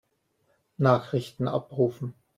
Nachrichten abrufen.